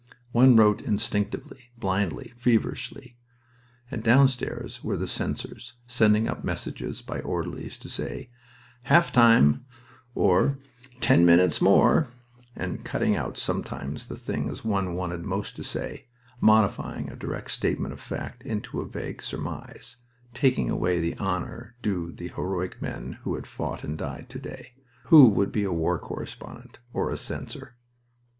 One wrote instinctively, blindly, feverishly... And downstairs were the censors, sending up messages by orderlies to say "half time," or "ten minutes more," and cutting out sometimes the things one wanted most to say, modifying a direct statement of fact into a vague surmise, taking away the honor due to the heroic men who had fought and died to day... Who would be a war correspondent, or a censor?